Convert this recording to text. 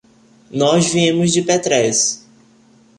Nós viemos de Petrés.